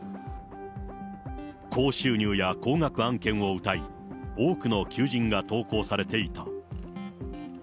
高収入や高額案件をうたい、多くの求人が投稿されていた。